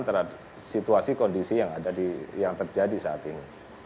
terhadap situasi kondisi yang terjadi saat ini